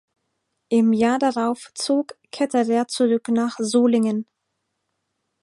Im Jahr darauf zog Ketterer zurück nach Solingen.